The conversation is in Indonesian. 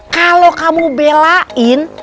kalau kamu belain